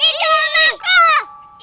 ini dong anakku